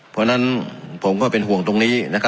เพราะฉะนั้นผมก็เป็นห่วงตรงนี้